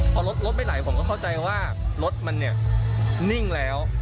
พอรถไม่ไหลผมก็เข้าใจว่ารถมันเนี่ยนิ่งแล้ว